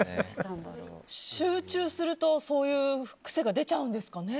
集中するとそういう癖が出ちゃうんですかね。